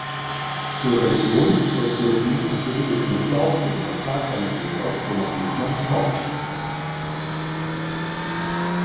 Zur Religionssoziologie entwickelte Knoblauch den Beitrag seines Lehrers Thomas Luckmann fort.